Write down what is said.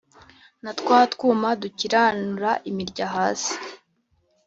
Na twa twuma dukiranura imirya hasi